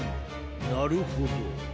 なるほど。